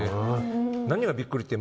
何がビックリって。